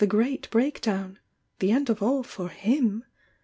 t breakdown ! the end of alJ for Aim.'